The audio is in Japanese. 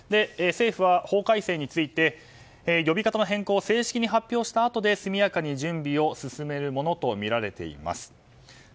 政府は法改正について呼び方の変更を正式に発表したあとで速やかに準備を進めるものとみられています。